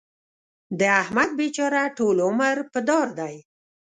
د احمد بېچاره ټول عمر په دار دی.